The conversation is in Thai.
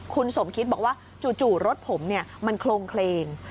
คุณสมคิดบอกว่าจู่รถผมมันโครงเคลง